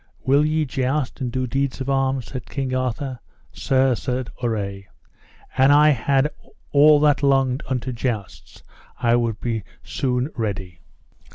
Will ye joust and do deeds of arms? said King Arthur. Sir, said Urre, an I had all that longed unto jousts I would be soon ready.